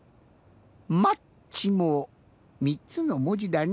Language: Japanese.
「マッチ」も３つのもじだね。